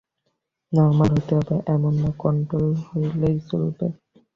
Normal হতে হবে এমন না, কন্ট্রোল হলেই চলবে।